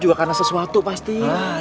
juga karena sesuatu pasti